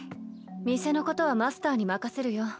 店のことはマスターに任せるよ。